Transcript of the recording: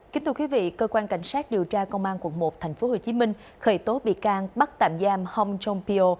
kính thưa quý vị cơ quan cảnh sát điều tra công an quận một tp hcm khởi tố bị can bắt tạm giam hong jong pyo